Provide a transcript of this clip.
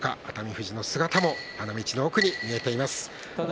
富士が花道の奥に見えています。